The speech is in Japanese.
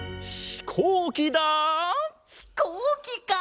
ひこうきか！